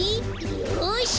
よし！